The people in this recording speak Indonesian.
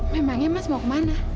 memangnya mas mau kemana